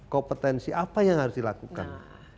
kompetensi apa yang harus dilakukan